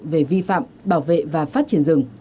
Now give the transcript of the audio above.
về vi phạm bảo vệ và phát triển rừng